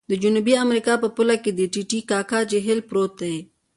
د جنوبي امریکا په پوله کې د ټې ټې کاکا جهیل پروت دی.